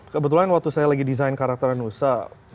kebetulan waktu saya lagi desain karakter nusa